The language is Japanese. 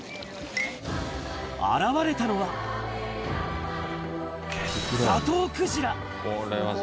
現れたのは、ザトウクジラ。